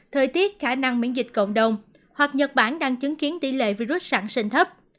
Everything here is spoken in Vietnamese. thời tiết khả năng miễn dịch cộng đồng hoặc nhật bản đang chứng kiến tỷ lệ virus sẵn sinh thấp